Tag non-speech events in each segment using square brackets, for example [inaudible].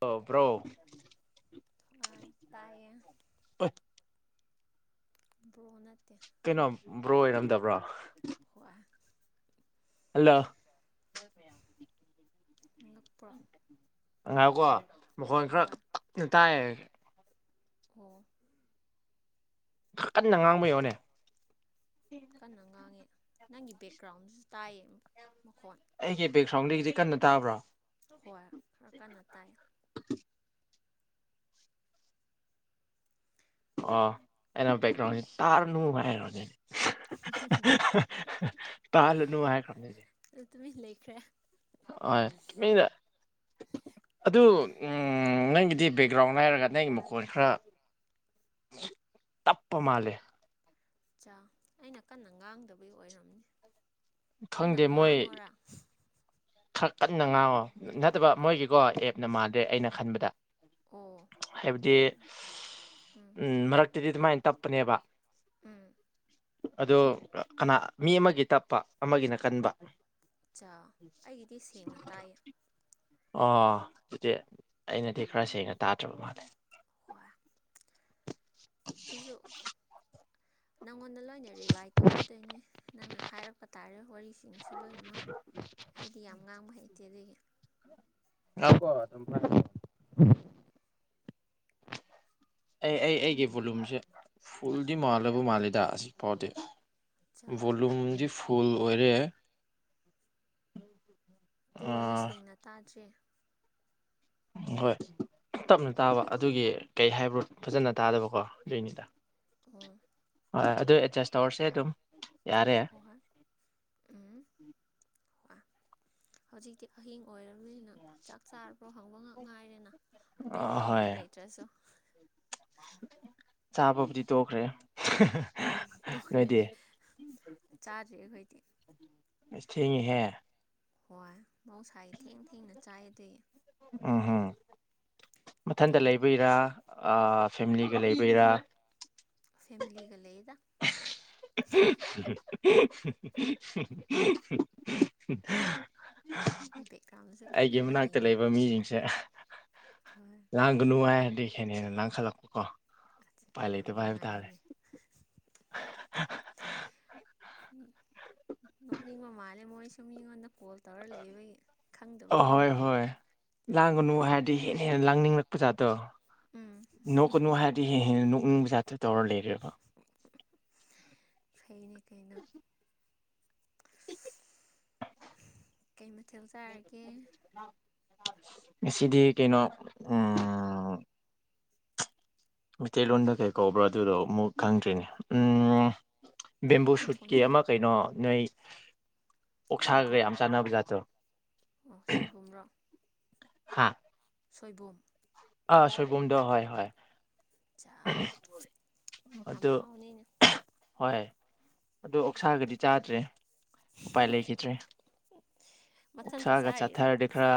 ꯇꯥꯕ꯭ꯔꯣ ꯍꯣꯏ ꯇꯥꯏꯌꯦ ꯑꯣꯏ ꯕ꯭ꯔꯣ ꯅꯠꯇꯦ ꯀꯩꯅꯣ ꯕ꯭ꯔꯣ ꯑꯣꯏꯔꯝꯗꯕ꯭ꯔꯣ ꯍꯣꯏ ꯍꯜꯂꯣ [unintelligible] ꯉꯛ ꯉꯥꯏꯌꯣꯀꯣ ꯃꯈꯣꯟ ꯈꯔ ꯍꯣꯏ ꯇꯛꯅ ꯇꯥꯏ ꯑꯣ ꯈ꯭ꯔ ꯀꯟꯅ ꯉꯥꯡꯕꯩꯌꯣꯅꯦ ꯀꯟꯅ ꯉꯥꯡꯉꯦ ꯅꯪꯒꯤ ꯕꯦꯛꯒ꯭ꯔꯥꯎꯟꯗꯁꯨ ꯇꯥꯏꯌꯦ ꯃꯈꯣꯟ ꯑꯩꯒꯤ ꯕꯦꯛꯈ꯭ꯔꯥꯎꯟꯗꯒꯤꯗꯤ ꯀꯟꯅ ꯇꯥꯕ꯭ꯔꯣ ꯍꯣꯏ ꯈꯔ ꯀꯟꯅ ꯇꯥꯏ ꯑꯣ ꯑꯩꯅ ꯕꯦꯛꯒ꯭ꯔꯥꯎꯟꯁꯤ ꯇꯥꯔꯅꯨ ꯍꯥꯏꯔꯅꯦ ꯇꯥꯜꯍꯜꯅꯨ ꯍꯥꯏꯈ꯭ꯔꯝꯅꯤ ꯑꯩꯗꯤ ꯑꯗꯨ ꯇꯨꯃꯤꯟ ꯂꯩꯈ꯭ꯔꯦ ꯍꯣꯏ ꯇꯨꯃꯤꯟꯅ ꯑꯗꯨ ꯎꯝ ꯅꯪꯒꯤꯗꯤ ꯕꯦꯛꯒ꯭ꯔꯥꯎꯟꯅꯦ ꯍꯥꯏꯔꯒ ꯅꯪꯒꯤ ꯃꯈꯣꯟ ꯈꯔ ꯇꯞꯄ ꯃꯥꯜꯂꯦ ꯆꯥ ꯑꯩꯅ ꯀꯟꯅ ꯉꯥꯡꯗꯕꯩ ꯑꯣꯏꯔꯝꯅꯦ ꯈꯪꯗꯦ ꯃꯣꯏ ꯈ꯭ꯔ ꯀꯟꯅ ꯉꯥꯡꯉꯣ ꯅꯠꯇꯕ ꯃꯣꯏꯒꯤꯀꯣ ꯑꯦꯞ ꯅꯃꯥꯗꯦ ꯑꯩꯅ ꯈꯟꯕꯗ ꯑꯣ ꯍꯥꯏꯕꯗꯤ ꯑꯣꯏꯔ ꯎꯝ ꯃꯔꯛꯇꯗꯤ ꯑꯗꯨꯃꯥꯏ ꯇꯞꯄꯅꯦꯕ ꯎꯝ ꯑꯗꯣ ꯀꯅꯥ ꯃꯤ ꯑꯃꯒꯤ ꯇꯞꯄ ꯑꯃꯒꯤꯅ ꯀꯟꯕ ꯆꯥ ꯑꯩꯒꯤꯗꯤ ꯁꯦꯡꯅ ꯇꯥꯏꯌꯦ ꯑꯣ ꯇꯨꯗꯤ ꯑꯩꯅꯗꯤ ꯈꯔ ꯁꯦꯡꯅ ꯇꯥꯗ꯭ꯔꯕ ꯃꯥꯜꯂꯦ ꯈꯣꯌꯥ [unintelligible] ꯑꯩꯁꯨ ꯅꯪꯉꯣꯟꯗ ꯂꯣꯏꯅ ꯔꯤꯂꯥꯏ ꯇꯧꯔꯗꯣꯏꯅꯦ ꯅꯪꯅ ꯍꯥꯏꯔꯛꯄ ꯇꯥꯔꯦ ꯋꯥꯔꯤꯁꯤꯡꯁꯨ ꯂꯣꯏꯅꯃꯛ ꯑꯩꯗꯤ ꯌꯥꯝ ꯉꯥꯡꯕ ꯍꯩꯇꯦ ꯑꯗꯨꯒꯤ ꯑꯕꯣ ꯍꯟꯊꯥꯒꯅꯤ ꯑꯩ ꯑꯩ ꯑꯩꯒꯤ ꯕꯣꯂꯨꯝꯁꯦ ꯐꯨꯜꯗꯤ ꯃꯥꯜꯂꯕ ꯃꯥꯜꯂꯤꯗ ꯑꯁꯤꯛꯐꯥꯎꯗꯤ ꯆꯥ ꯕꯣꯂꯨꯝꯗꯤ ꯐꯨꯜ ꯑꯣꯏꯔꯦ ꯗꯨ ꯑꯣꯏꯔꯥꯁꯨ ꯑꯥ ꯁꯦꯡꯅ ꯇꯥꯗ꯭ꯔꯤ ꯎꯝ ꯍꯣꯏ ꯇꯞꯅ ꯇꯥꯕ ꯑꯗꯨꯒꯤ ꯀꯩ ꯍꯥꯏꯕ꯭ꯔꯣ ꯐꯖꯅ ꯇꯥꯗꯕꯀꯣ ꯑꯗꯨꯏꯅꯤꯗ ꯎꯝ ꯍꯣꯏ ꯑꯗꯨ ꯑꯦꯗꯖꯁ ꯇꯧꯔꯁꯦ ꯑꯗꯨꯝ ꯌꯥꯔꯦ ꯍꯣꯍꯣꯏ ꯎꯝ ꯍ ꯍꯧꯖꯤꯛꯇꯤ ꯑꯍꯤꯡ ꯑꯣꯏꯔ ꯅꯤꯅ ꯆꯥꯛ ꯆꯥꯔꯕ꯭ꯔꯣ ꯍꯪꯕ ꯉꯛ ꯉꯥꯏꯔꯦꯅ ꯑꯇꯩ ꯑꯍꯣꯏ ꯍꯪꯅꯤꯡꯉꯥꯏ ꯂꯩꯇ꯭ꯔꯁꯨ ꯆꯥꯕꯕꯨꯗꯤ ꯇꯣꯛꯈ꯭ꯔꯦ ꯅꯣꯏꯗꯤ ꯇꯣꯛꯈ꯭ꯔꯦꯅꯦ ꯆꯥꯗ꯭ꯔꯤ ꯑꯩꯈꯣꯏꯗꯤ ꯑꯁ ꯊꯦꯡꯉꯤ ꯍꯦ ꯍꯣꯏ ꯃꯍꯧꯁꯥꯒꯤ ꯊꯦꯡ ꯊꯦꯡꯅ ꯆꯥꯏꯌꯦ ꯑꯗꯨꯏ ꯎꯝ ꯍꯨꯝ ꯀꯩ ꯃꯊꯟꯗ ꯂꯩꯕꯩꯔꯥ ꯑꯥ ꯐꯦꯝꯂꯤꯒ ꯂꯩꯕꯩꯔꯥ ꯐꯦꯝꯂꯤꯒ ꯂꯩꯗ ꯕꯦꯛꯒ꯭ꯔꯥꯎꯟꯗꯁꯨ ꯀꯟꯅ ꯑꯩꯒꯤ ꯃꯅꯥꯛꯇ ꯅꯣꯛꯏꯅꯦ ꯂꯩꯕ ꯃꯤꯁꯤꯡꯁꯦ ꯍꯣꯏ ꯂꯥꯡꯒꯅꯨ ꯍꯥꯏꯔꯗꯤ ꯍꯦꯟꯅ ꯍꯦꯟꯅ ꯂꯥꯡꯈꯠꯂꯛꯄꯀꯣ ꯎꯄꯥꯏ ꯌꯥꯝ ꯂꯩꯇꯕ ꯍꯥꯏꯕ ꯇꯥꯔꯦ ꯅꯨꯡꯉꯥꯏꯅꯦ ꯎꯝ ꯅꯣꯛꯅꯤꯡꯕꯥ ꯃꯥꯜꯂꯦ ꯃꯣꯏꯁꯨ ꯃꯤꯉꯣꯟꯗꯥ ꯀꯣꯜ ꯇꯧꯔ ꯂꯩꯕꯒꯤ ꯈꯪꯗꯕ ꯑꯍꯣꯏ ꯃꯤꯕꯨ ꯍꯣꯏ ꯂꯥꯡꯒꯅꯨ ꯍꯥꯏꯔꯗꯤ ꯍꯦꯟꯅ ꯍꯦꯟꯅ ꯂꯥꯡꯅꯤꯡꯉꯛꯄ ꯖꯥꯠꯇꯣ ꯎꯝ ꯅꯣꯛꯀꯅꯨ ꯍꯥꯏꯔ ꯗꯤ ꯍꯦꯟꯅ ꯅꯣꯛꯅꯤꯡ ꯖꯥꯠꯇꯣ ꯇꯧꯔ ꯂꯩꯔꯦꯕ ꯐꯩꯅꯦ ꯀꯩꯅꯣ ꯀꯩ ꯃꯊꯦꯜ ꯆꯥꯔꯒꯦ ꯉꯥꯁꯤꯗꯤ ꯀꯩꯅꯣ ꯎꯝ ꯃꯩꯇꯩꯂꯣꯟꯗ ꯀꯩ ꯀꯧꯕ꯭ꯔꯣ ꯑꯗꯨꯗꯣ ꯃꯨꯛ ꯈꯪꯗ꯭ꯔꯤꯅꯦ ꯎꯝ ꯕꯦꯝꯕꯨ ꯏꯊꯣꯟ ꯁꯨꯠꯀꯤ ꯊꯣꯟꯖꯤꯜꯂꯣ ꯑꯃ ꯀꯩꯅꯣ ꯅꯣꯏ ꯑꯣꯛꯁꯥꯒꯒ ꯁꯣꯏꯕꯨꯝ ꯌꯥꯝ ꯆꯥꯅꯕ ꯖꯥꯠ ꯇꯣ ꯑꯣ ꯁꯣꯏꯕꯨꯝꯔꯣ ꯍꯥꯥ ꯁꯣꯏꯕꯨꯝ ꯑꯥ ꯁꯣꯏꯕꯨꯝ ꯗꯣ ꯍꯣꯏ ꯍꯣꯏ ꯑꯆꯥ ꯌꯥꯝ ꯑꯗꯨ ꯍꯥꯎꯅꯤꯅꯦ ꯍꯣꯏ ꯑꯗꯨ ꯑꯣꯛꯁꯥꯒꯗꯤ ꯆꯥꯗ꯭ꯔꯤ꯫ ꯎꯄꯥꯏ ꯂꯩꯈꯤꯗ꯭ꯔꯦ ꯃꯊꯟꯇ ꯑꯣꯛꯁꯥꯒ ꯆꯥꯔꯤꯔꯣ ꯆꯥꯊꯔꯗꯤ ꯈꯔ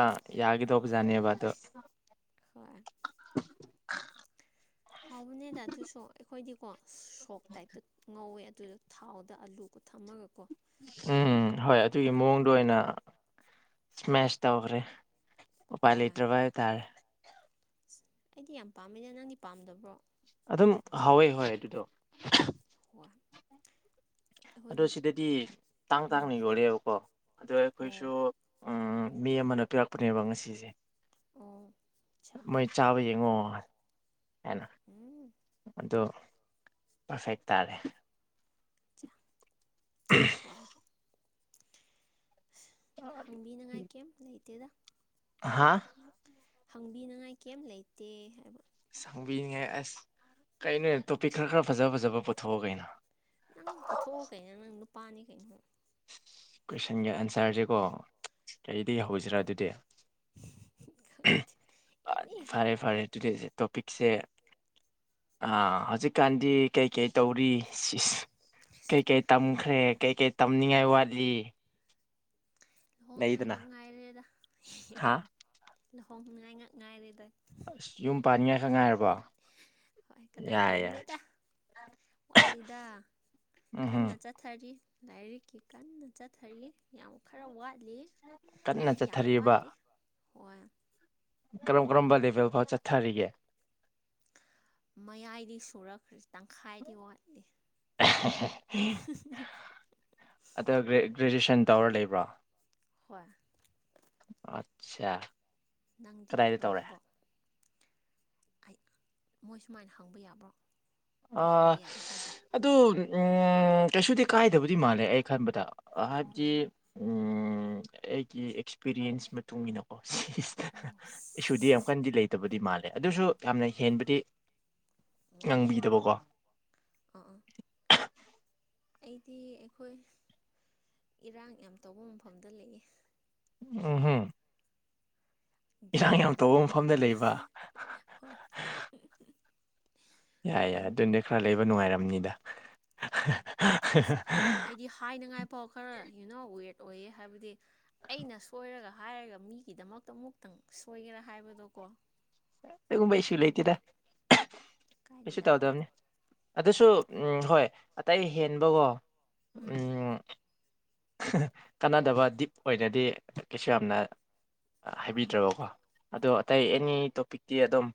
ꯌꯥꯒꯗꯧꯕꯖꯥꯅꯦꯕ ꯑꯗꯣ ꯍꯣꯏ ꯍꯥꯎꯕꯅꯦꯗ ꯑꯗꯨꯁꯨ ꯑꯩꯈꯣꯏꯗꯤꯀꯣ ꯁꯣꯛ ꯇꯥꯏꯞꯇ ꯉꯧꯋꯦ ꯑꯗꯨꯗꯨ ꯊꯥꯎꯗ ꯑꯂꯨꯒ ꯊꯝꯃꯒꯀꯣ ꯎꯝ ꯍꯣꯏ ꯑꯗꯨꯒꯤ ꯑꯥ ꯃꯑꯣꯡꯗꯣ ꯑꯣꯏꯅ ꯏꯁꯃꯦꯁ ꯇꯧꯈ꯭ꯔꯦ ꯎꯄꯥꯥꯏ ꯂꯩꯇ꯭ꯔꯕ ꯍꯥꯏꯇꯥꯔꯦ ꯑꯁ ꯑꯩꯗꯤ ꯌꯥꯝ ꯄꯥꯝꯃꯤꯅ ꯅꯪꯗꯤ ꯄꯥꯝꯗꯕ꯭ꯔꯣ ꯑꯗꯨꯝ ꯍꯥꯎꯋꯦ ꯍꯥꯎꯋꯦ ꯑꯗꯨꯗꯣ ꯋꯥ ꯑꯗꯣ ꯁꯤꯗꯗꯤ ꯇꯥꯡ ꯎꯝ ꯇꯥꯡꯅ ꯌꯣꯜꯜꯂꯦꯕꯀꯣ ꯑꯗꯣ ꯑꯣ ꯑꯩꯈꯣꯏꯁꯨ ꯑꯝ ꯃꯤ ꯑꯃꯅ ꯄꯤꯔꯛꯄꯅꯦꯕ ꯉꯁꯤꯁꯦ ꯑꯣ ꯆꯥ ꯃꯣꯏ ꯆꯥꯕ ꯌꯦꯡꯉꯣ ꯍꯥꯏꯅ ꯎꯝ ꯑꯗꯣ ꯄꯔꯐꯦꯛ ꯇꯥꯔꯦ ꯍꯣꯏ ꯑꯁ ꯍꯪꯕꯤꯅꯤꯉꯥꯏ ꯀꯩꯝ ꯂꯩꯇꯦꯗ ꯍꯥ ꯑꯁꯦꯡꯕ ꯍꯪꯕꯤꯅꯉꯥꯏ ꯀꯩꯝ ꯂꯩꯇꯦ ꯍꯥꯏꯕ ꯍꯪꯕꯤꯅꯤꯡꯉꯥꯏ ꯑꯁ ꯀꯩꯅꯣꯍꯦ ꯇꯣꯄꯤꯛ ꯈꯔ ꯈꯔ ꯐꯖ ꯐꯖꯕ ꯄꯨꯊꯣꯛꯑꯣ ꯀꯩꯅꯣ ꯅꯪ ꯄꯨꯊꯣꯛꯑꯣ ꯀꯩꯅꯣ ꯅꯪ ꯅꯨꯄꯥꯅꯤ ꯀꯩꯅꯣ ꯀꯣꯏꯁꯟꯒꯤ ꯑꯟꯁꯔꯁꯦ ꯀꯣ ꯀꯔꯤꯗꯒꯤ ꯍꯧꯁꯤꯔꯥ ꯑꯗꯨꯗꯤ ꯈꯪꯗꯦ ꯑꯦꯅꯤ ꯐꯔꯦ ꯐꯔꯦ ꯍꯪꯉꯛꯑꯣ ꯇꯨꯗꯦꯁꯦ ꯇꯣꯄꯤꯛꯁꯦ ꯍꯧꯖꯤꯛ ꯀꯥꯟꯗꯤ ꯀꯩꯀꯩ ꯇꯧꯔꯤ ꯏꯁ ꯀꯩꯀꯩ ꯇꯝꯈ꯭ꯔꯦ ꯀꯩꯀꯩ ꯅꯤꯡꯉꯥꯏ ꯋꯥꯠꯂꯤ ꯂꯨꯍꯣꯡꯅꯤꯉꯥꯏ ꯂꯩꯗꯅ ꯉꯥꯛ ꯉꯥꯏꯔꯦꯗ ꯍꯥ ꯂꯨꯍꯣꯡꯅꯤꯉꯥꯏ ꯉꯥꯛ ꯉꯥꯏꯔꯦꯗ ꯑꯁ ꯌꯨꯝ ꯄꯥꯟꯅꯤꯡꯉꯥꯏ ꯈꯛ ꯉꯥꯏꯔꯕꯣ ꯍꯣꯏ ꯀꯗꯔ ꯌꯥꯏ ꯌꯥꯏ ꯇꯧꯕꯅꯤꯗ ꯋꯥꯠꯂꯤꯗ ꯎꯝꯍꯨꯝ ꯀꯟꯅ ꯆꯠ ꯊꯔꯤ ꯂꯥꯏꯔꯤꯛꯀꯤ ꯀꯟꯅ ꯆꯠꯊꯔꯤ ꯌꯥꯝ ꯈꯔ ꯋꯥꯠꯂꯤ ꯀꯟꯅ ꯑꯦ ꯌꯥꯝ ꯆꯠꯊꯔꯤꯕ ꯋꯥꯠꯂꯤ ꯍꯣꯏ ꯀꯔꯝ ꯀꯔꯝꯕ ꯂꯦꯚꯦꯜ ꯐꯥꯎ ꯆꯠꯊꯔꯤꯒꯦ ꯃꯌꯥꯏꯗꯤ ꯁꯨꯔꯛꯈ꯭ꯔꯦ ꯇꯪꯈꯥꯏꯗꯤ ꯋꯥꯠꯂꯤ ꯑꯗ ꯒ꯭ꯔꯦꯖꯨꯑꯌꯦꯁꯟ ꯇꯧꯔ ꯂꯩꯕ꯭ꯔꯣ ꯍꯣꯏ ꯑꯆꯥ ꯅꯪꯗꯤ ꯂꯣꯏꯔꯕꯣ ꯑꯩ ꯃꯣꯏ ꯁꯨꯃꯥꯏꯅ ꯍꯪꯕ ꯌꯥꯕ꯭ꯔꯣ ꯑ ꯃꯣꯏ ꯍꯪꯕ ꯌꯥꯗꯦ ꯍꯥꯏꯗꯥꯏ ꯑꯗꯨ ꯀꯩꯁꯨꯗꯤ ꯀꯥꯏꯗꯕꯗꯤ ꯃꯥꯜꯂꯦ ꯑꯩ ꯈꯟꯕꯗ ꯍꯥꯏꯕꯗꯤ ꯑꯣ ꯎꯝ ꯑꯩꯒꯤ ꯑꯦꯛꯁꯄꯤꯔꯤꯌꯦꯟꯁ ꯃꯇꯨꯡ ꯏꯟꯅꯀꯣ ꯁꯤꯁ ꯑꯣ ꯏꯁꯨꯗꯤ ꯌꯥꯝ ꯀꯟꯗꯤ ꯂꯩꯇꯕꯗꯤ ꯃꯥꯜꯂꯦ ꯑꯗꯨꯁꯨ ꯌꯥꯝꯅ ꯍꯦꯟꯕꯗꯤ ꯎꯝ ꯍꯪꯕꯤꯗꯕꯀꯣ ꯑꯥ ꯑꯥ ꯑꯩꯗꯤ ꯑꯩꯈꯣꯏ ꯏꯔꯥꯡ ꯌꯥꯝ ꯇꯧꯕ ꯃꯐꯝꯗ ꯂꯩꯌꯦ ꯎ ꯍꯝ ꯗꯤ ꯌꯥꯝ ꯑꯦꯝꯗ ꯇꯧꯕ ꯇꯝꯃꯦ ꯃꯐꯝꯗ ꯂꯩꯕ ꯍꯣꯏ ꯌꯥꯏ ꯌꯥꯏ ꯕꯟ ꯑꯗꯨꯅꯦ ꯕ꯭ꯂꯣꯀꯦꯠ ꯈꯔ ꯂꯩꯕ ꯅꯨꯡꯉꯥꯏꯔꯝꯅꯤꯗ ꯍꯣꯏ ꯑꯁ ꯑꯩꯗꯤ ꯍꯥꯏꯅꯤꯉꯥꯏꯐꯥꯎ ꯈꯔ ꯌꯨꯅꯣ ꯋꯤꯌꯠ ꯑꯣꯏꯌꯦ ꯍꯥꯏꯕꯗꯤ ꯑꯩꯅ ꯁꯣꯏꯔꯒ ꯍꯥꯏꯔꯒ ꯃꯤꯒꯤꯗꯃꯛꯇ ꯑꯃꯨꯛꯇꯪ ꯁꯣꯏꯒꯦꯔꯥ ꯍꯥꯏꯕꯗꯣꯀꯣ ꯑꯗꯨꯒꯨꯝꯕ ꯏꯁꯨ ꯈꯟꯕꯤꯅꯨ ꯂꯩꯇꯦꯗ ꯀꯩꯁꯨ ꯀꯥꯏꯗꯦꯗꯀꯣ ꯇꯧꯗꯕꯅꯤ ꯑꯗꯨꯁꯨ ꯍꯣꯏ ꯑꯇꯩ ꯍꯦꯟꯕꯀꯣ ꯎꯝ ꯀꯥꯟꯅꯗꯕ ꯗꯤꯞ ꯑꯣꯏꯅꯗꯤ ꯀꯩꯁꯨ ꯌꯥꯝꯅ ꯎꯝ ꯍꯥꯏꯕꯤꯗ꯭ꯔꯕꯀꯣ ꯑꯗꯣ ꯑꯇꯩ ꯍꯣꯏ ꯑꯦꯅꯤ ꯇꯣꯄꯤꯛ ꯇꯤ ꯑꯗꯨꯝ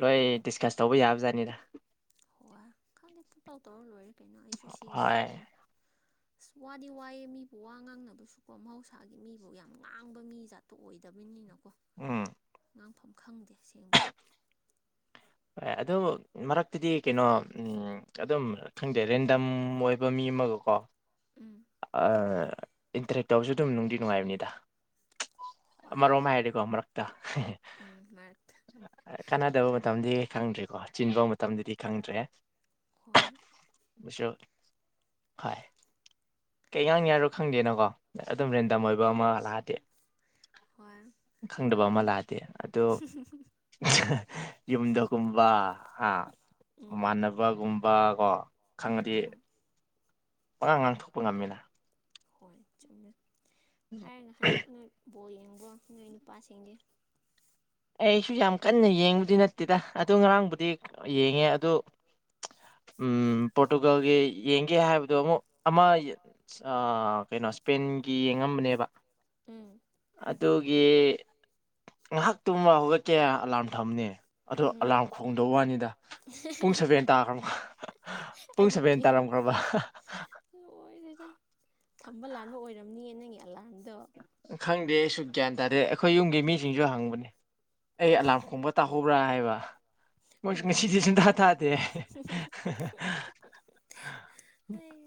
ꯂꯣꯏ ꯗꯤꯁꯀꯁ ꯇꯧꯕ ꯌꯥꯕꯖꯥꯠꯅꯤꯗ ꯍꯣꯋꯥ ꯈꯪꯗꯦ ꯄꯇꯧ ꯇꯧꯔ ꯂꯣꯏꯔꯦ ꯀꯩꯅꯣ ꯑꯩꯁꯨ ꯁꯤꯒꯤ ꯍꯣꯏ ꯄꯥꯠꯇꯅꯤ ꯑꯁ ꯋꯥꯗꯤ ꯋꯥꯏꯌꯦ ꯃꯤꯕꯨ ꯋꯥ ꯉꯥꯡꯅꯕꯁꯨꯀꯣ ꯃꯍꯧꯁꯥꯒꯤ ꯃꯤꯕꯨ ꯌꯥꯝ ꯉꯥꯡꯕ ꯃꯤ ꯖꯥꯠꯇꯣ ꯑꯣꯏꯗꯕꯅꯤꯅꯀꯣ ꯎꯝ ꯉꯥꯡꯐꯝ ꯈꯪꯗꯦ ꯁꯦꯡꯕ ꯍꯣꯏ ꯑꯗꯨ ꯃꯔꯛꯇꯗꯤ ꯀꯩꯅꯣ ꯎꯝ ꯑꯗꯨꯝ ꯈꯪꯗꯦ ꯔꯦꯟꯗꯝ ꯑꯣꯏꯕ ꯃꯤ ꯑꯃꯒ ꯀꯣ ꯎꯝ ꯑꯥ ꯏꯟꯇꯔꯦꯛ ꯇꯧꯕꯁꯨ ꯑꯗꯨꯝ ꯅꯨꯡꯗꯤ ꯅꯨꯡꯉꯥꯏꯕꯅꯤꯗ ꯍꯣꯏ ꯑꯃꯔꯣꯝ ꯍꯥꯏꯔꯗꯤꯀꯣ ꯃꯔꯛꯇ ꯎꯝ ꯃꯔꯛ ꯑ ꯀꯥꯟꯅꯗꯕ ꯃꯇꯝꯗꯤ ꯈꯪꯗ꯭ꯔꯦꯀꯣ ꯆꯤꯟꯕ ꯃꯇꯝꯗꯗꯤ ꯈꯪꯗ꯭ꯔꯦ ꯍꯨꯋꯥꯥꯏꯝ ꯃꯨꯁꯤꯌꯣ ꯍꯥꯏ ꯀꯩꯉꯥꯡꯅꯤꯉꯥꯏꯔꯣ ꯈꯪꯗꯦꯅꯀꯣ ꯑꯗꯨꯝ ꯔꯦꯟꯗꯝ ꯑꯣꯏꯕ ꯑꯃ ꯂꯥꯛꯑꯗꯤ ꯍꯣꯏ ꯑꯗꯣ ꯈꯪꯗꯕ ꯑꯃ ꯂꯥꯑꯗꯤ ꯑꯗꯣ ꯌꯨꯝꯗꯀꯨꯝꯕꯥ ꯍꯥ ꯎꯝ ꯃꯃꯥꯟꯅ ꯕꯒꯨꯝꯕ ꯀꯣ ꯈꯪꯉꯗꯤ ꯍꯣꯏ ꯄꯉꯥꯡ ꯉꯥꯡꯊꯣꯛꯄ ꯉꯝꯃꯤꯅ ꯍꯣꯏ ꯆꯨꯝꯃꯦ ꯍꯥꯏꯔꯒ ꯍꯟꯗꯛ ꯅꯣꯏ ꯕꯣꯜ ꯌꯦꯡꯕ꯭ꯔꯣ ꯅꯣꯏ ꯅꯨꯄꯥꯁꯤꯡꯗꯤ ꯑꯩꯁꯨ ꯌꯥꯝ ꯀꯟꯅ ꯌꯦꯡꯕꯗꯤ ꯅꯠꯇꯦꯗ ꯑꯗꯨ ꯉꯔꯥꯡꯕꯨꯗꯤ ꯌꯦꯡꯉꯦ ꯑꯗꯨ ꯎꯝ ꯄꯣꯔꯇꯨꯒꯥꯜꯒꯤ ꯌꯦꯡꯒꯦ ꯍꯥꯏꯕꯗꯨ ꯑꯃꯨꯛ ꯑꯃ ꯑ ꯀꯩꯅꯣ ꯁ꯭ꯄꯦꯟꯒꯤ ꯌꯦꯡꯉꯝꯕꯅꯦꯕ ꯎꯝ ꯑꯗꯨꯒꯤ ꯉꯥꯍꯥꯛ ꯇꯨꯝꯃ ꯍꯧꯒꯠꯀꯦ ꯑꯂꯥꯔꯝ ꯊꯝꯅꯦ ꯑꯗꯣ ꯎꯝ ꯑꯂꯥꯔꯝ ꯈꯣꯡꯗꯕ ꯋꯥꯅꯤꯗ ꯄꯨꯡ ꯁꯕꯦꯟ ꯇꯥꯈ꯭ꯔꯝꯅꯤ ꯄꯨꯡ ꯁꯕꯦꯟ ꯑꯌꯨꯛꯀꯤ ꯇꯥꯔꯝꯈ꯭ꯔꯕ ꯂꯣꯏꯔꯦꯗ ꯊꯝꯕ ꯂꯥꯟꯕ ꯑꯣꯏꯔꯝꯅꯤꯌꯦ ꯅꯪꯒꯤ ꯑꯂꯥꯝꯗꯣ ꯈꯪꯗꯦ ꯑꯩꯁꯨ ꯒ꯭ꯌꯥꯟ ꯇꯥꯗꯦ ꯑꯩꯈꯣꯏ ꯌꯨꯝꯒꯤ ꯃꯤꯁꯤꯡꯁꯨ ꯍꯪꯕꯅꯦ ꯑꯩ ꯑꯣ ꯑꯦꯂꯥꯝ ꯈꯣꯡꯕ ꯇꯥꯍꯧꯕ꯭ꯔꯥ ꯍꯥꯏꯕ ꯃꯣꯏꯁꯨ ꯎꯝ ꯉꯁꯤꯗꯤ ꯁꯨꯡꯊꯥ ꯊꯥꯗꯦ ꯑꯩ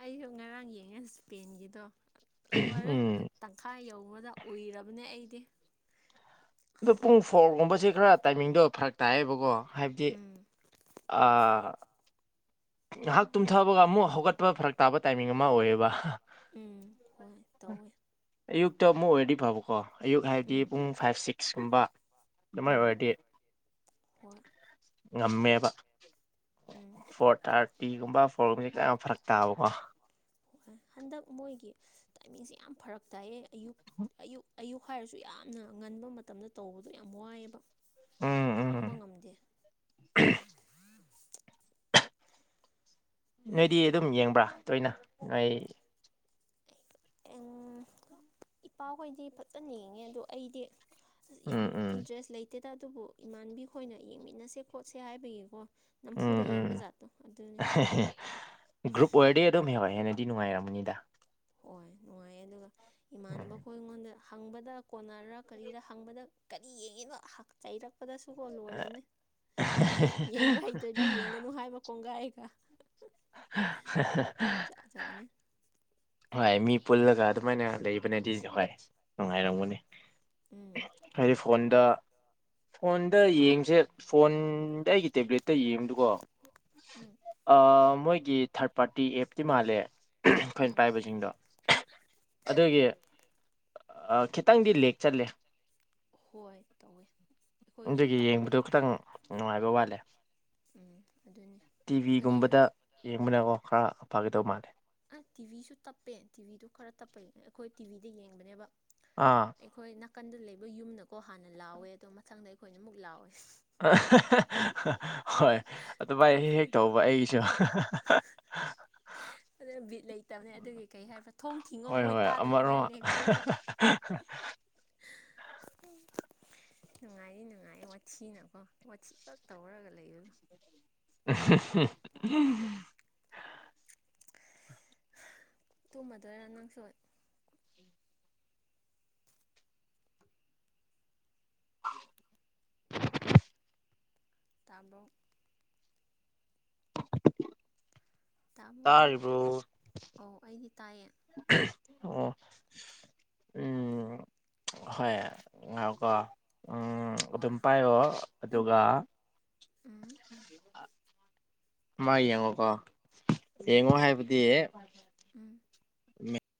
ꯑꯩꯁꯨ ꯉꯔꯥꯡ ꯌꯦꯡꯉꯦ ꯁ꯭ꯄꯦꯟꯒꯤꯗꯣ ꯂꯣꯏꯔꯦ ꯎꯝ ꯇꯪꯈꯥꯏ ꯌꯧꯕꯗ ꯎꯏꯔꯕꯅꯦ ꯑꯩꯗꯤ ꯑꯗꯨ ꯄꯨꯡ ꯐꯣꯔꯒꯨꯝꯕꯁꯦ ꯈꯔ ꯇꯥꯏꯃꯤꯡꯗꯣ ꯐꯔꯛ ꯇꯥꯏꯌꯦꯕꯀꯣ ꯍꯥꯏꯕꯗꯤ ꯑꯥ ꯑ ꯥꯉꯍꯥꯛ ꯇꯨꯝꯊꯕꯒ ꯑꯃꯨꯛ ꯍꯧꯒꯠꯄ ꯐꯔꯛ ꯇꯥꯕ ꯇꯥꯏꯃꯤꯡ ꯑꯃ ꯑꯣꯏꯌꯦꯕ ꯎꯝ ꯍꯣꯏ ꯇꯧꯋꯦ ꯑꯌꯨꯛꯇ ꯑꯃꯨꯛ ꯑꯣꯏꯔꯗꯤ ꯐꯕꯀꯣ ꯑꯌꯨꯛ ꯍꯥꯏꯕꯗꯤ ꯎꯝ ꯄꯨꯡ ꯐꯥꯏꯞ ꯁꯤꯛꯁꯀꯨꯝꯕ ꯑꯗꯨꯃꯥꯏꯅ ꯎꯝ ꯑꯣꯏꯔꯗꯤ ꯍꯣꯏ ꯉꯝꯃꯦꯕ ꯎꯝ ꯐꯣꯔ ꯊꯥꯔꯇꯤꯒꯨꯝꯕ ꯐꯣꯔꯒꯨꯝꯕꯗꯤ ꯀꯌꯥꯝ ꯐꯔꯛ ꯇꯥꯕꯀꯣ ꯍꯨꯍꯥꯢ ꯍꯟꯗꯛ ꯃꯣꯏꯒꯤ ꯇꯥꯏꯃꯤꯡꯁꯦ ꯌꯥꯝ ꯐꯔꯛ ꯇꯥꯏꯌꯦ ꯑꯌꯨꯛ ꯑꯌꯨꯛ ꯑꯌꯨꯛ ꯍꯥꯏꯔꯁꯨ ꯌꯥꯝꯅ ꯉꯟꯕ ꯃꯇꯝꯗ ꯇꯧꯕꯗꯣ ꯌꯥꯝ ꯋꯥꯏꯑꯦꯕ ꯎꯝ ꯎꯝ ꯈꯥꯡꯕ ꯉꯝꯗꯦ ꯅꯣꯏꯗꯤ ꯑꯗꯨꯝ ꯌꯦꯡꯕ꯭ꯔꯥ ꯇꯣꯏꯅ ꯅꯣꯏ ꯏꯄꯥꯍꯣꯏꯗꯤ ꯐꯖꯅ ꯌꯦꯡꯉꯦ ꯑꯗꯣ ꯑꯩꯗꯤ ꯌꯥꯝ ꯎꯝ ꯎꯝ ꯏꯟꯇ꯭ꯔꯦꯁ ꯂꯩ [unintelligible] ꯑꯗꯨꯕꯨ ꯏꯃꯥꯟꯕꯤ ꯈꯣꯏꯅ ꯌꯦꯡꯃꯤꯟꯅꯁꯦ ꯈꯣꯠꯁꯦ ꯍꯥꯏꯕꯒꯤꯀꯣ ꯎꯝ ꯅꯝꯐꯨꯗ ꯎꯝ ꯌꯦꯡꯕ ꯖꯥꯠꯇꯣ ꯑꯗꯨꯅꯤ ꯒ꯭ꯔꯨꯞ ꯑꯣꯏꯔꯗꯤ ꯑꯗꯨꯝ [unintelligible] ꯍꯦꯟꯅꯗꯤ ꯅꯨꯡꯉꯥꯏꯔꯝꯒꯅꯤꯗ ꯍꯣꯏ ꯅꯨꯡꯉꯥꯏꯌꯦ ꯑꯗꯨꯒ ꯎꯝ ꯏꯃꯥꯟꯅꯕꯈꯣꯏ ꯑꯩꯉꯣꯟꯗ ꯍꯪꯕꯗ ꯀꯣꯟꯅꯔꯥ ꯀꯔꯤꯔ ꯍꯪꯕꯗ ꯀꯔꯤ ꯌꯦꯡꯉꯤꯅꯣ ꯆꯩꯔꯛꯄꯗꯁꯨꯀꯣ ꯂꯣꯏꯔꯥꯃꯦ ꯌꯦꯡꯕ ꯍꯩꯇ꯭ꯔꯗꯤ ꯌꯦꯡꯒꯅꯨ ꯍꯥꯏꯕ ꯀꯣꯡꯒꯥꯏꯒꯥ [unintelligible] ꯆꯅꯤ ꯍꯣꯏ ꯃꯤ ꯄꯨꯜꯂꯒ ꯑꯗꯨꯃꯥꯏꯅ ꯂꯩꯕꯅꯗꯤ ꯍꯣꯏ ꯅꯨꯡꯉꯥꯏꯔꯝꯒꯅꯤ ꯎꯝ ꯍꯥꯏꯗꯤ ꯐꯣꯟꯗ ꯐꯣꯟꯗ ꯌꯦꯡꯕꯁꯦ ꯐꯣꯟ ꯑꯩꯒꯤ ꯇꯦꯕ꯭ꯂꯦꯠꯇꯥ ꯌꯦꯡꯕꯗꯨꯀꯣ ꯎꯝ ꯑꯥ ꯃꯣꯏꯒꯤ ꯊꯥꯔꯠ ꯄꯥꯔꯇꯤ ꯑꯦꯞꯇꯤ ꯃꯥꯜꯂꯦ ꯑꯩꯈꯣꯏꯅ ꯎꯝ ꯄꯥꯏꯕꯁꯤꯡꯗꯣ ꯑꯗꯨꯒꯤ ꯑꯥ ꯈꯤꯠ ꯍꯣꯏ ꯇꯧꯋꯦ ꯑꯩꯈꯣꯏꯒꯤꯁꯨ ꯑꯗꯨꯒꯤ ꯇꯞꯄꯦ ꯌꯦꯡꯕꯗꯣ ꯈꯤꯇꯪ ꯅꯨꯡꯉꯥꯏꯕ ꯋꯥꯠꯂꯦ ꯎꯝ ꯑꯗꯨꯅꯤ ꯑꯈꯣꯏꯁꯨ ꯌꯦꯡꯕꯗꯀꯣ ꯈꯔ ꯐꯥꯒꯗꯧ ꯃꯥꯜꯂꯦ ꯑꯥ ꯇꯤꯚꯤꯁꯨ ꯇꯞꯄꯦ ꯇꯤꯚꯤꯗꯣ ꯈꯔ ꯇꯞꯄꯩ ꯑꯈꯣꯏ ꯇꯤꯚꯤꯗ ꯌꯦꯡꯕꯅꯦꯕ ꯑꯥ ꯑꯩꯈꯣꯏ ꯅꯥꯀꯟꯗ ꯂꯩꯕ ꯌꯨꯝꯅꯀꯣ ꯍꯥꯟꯅ ꯂꯥꯎꯋꯦ ꯑꯗꯣ ꯃꯊꯪꯗ ꯑꯩꯈꯣꯏꯅ ꯑꯃꯨꯛ ꯂꯥꯎꯋꯦ ꯍꯣꯏ ꯑꯗꯨꯃꯥꯏ ꯍꯦꯛ ꯍꯦꯛ ꯇꯞꯄꯩ ꯇꯧꯕ ꯑꯩꯒꯤꯁꯨ ꯑꯗꯨꯅꯦ ꯕꯤꯠ ꯂꯩꯇꯕꯅꯦ ꯑꯗꯨꯒꯤ ꯀꯩ ꯍꯥꯏꯕ ꯊꯣꯡ ꯊꯤꯡꯒꯣ ꯍꯣꯏ ꯃꯣꯏ ꯍꯣꯏ ꯑꯃꯔꯣꯝ ꯇꯥꯗꯅꯤꯉꯥꯏꯅꯦ ꯑꯩꯈꯣꯏ ꯅꯨꯡꯉꯥꯏꯌꯦ ꯅꯨꯡꯉꯥꯏꯌꯦ ꯋꯥꯊꯤꯅꯀꯣ ꯋꯥꯊꯤ ꯈꯛ ꯇꯧꯔꯒ ꯂꯩꯕꯗꯣ [unintelligible] ꯇꯨꯝꯃꯥꯗꯣꯏꯔꯥ ꯅꯪꯁꯨ [inaudible] ꯇꯥꯕ꯭ꯔꯣ ꯇꯥꯕ꯭ꯔꯣ ꯇꯥꯔꯤꯕ꯭ꯔꯣ ꯑꯣ ꯑꯩꯗꯤ ꯇꯥꯏꯌꯦ ꯑꯣ ꯎꯝ ꯍꯣꯏ ꯉꯥꯢꯀꯣ ꯎꯝ ꯑꯗꯨꯝ ꯍꯣꯏ ꯄꯥꯏꯌꯣ ꯑꯗꯨꯒ ꯎꯝ ꯃꯥ ꯌꯦꯡꯉꯣꯀꯣ ꯌꯦꯡꯉꯣ ꯍꯥꯏꯕꯗꯤ ꯎꯝ